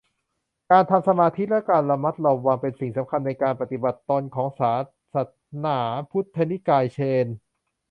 การทำสมาธิและการระมัดระวังเป็นสิ่งสำคัญในการปฏิบัติตนของศาสนาพุทธนิกายเซน